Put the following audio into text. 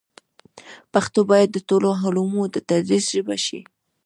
پښتو باید د ټولو علومو د تدریس ژبه شي.